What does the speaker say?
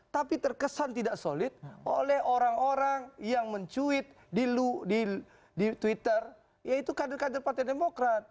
tapi terkesan tidak solid oleh orang orang yang mencuit di lu di di twitter yaitu kd pantai demokrat